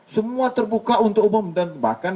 semua terbuka untuk umum dan bahkan